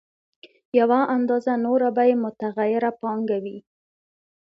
یوه اندازه نوره به یې متغیره پانګه وي